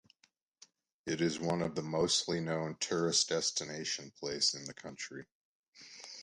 It is one of the mostly known tourist destination place in the country.